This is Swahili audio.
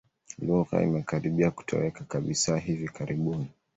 Lugha imekaribia kutoweka kabisa hivi karibuni.